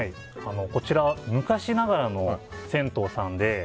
こちらは昔ながらの銭湯さんで。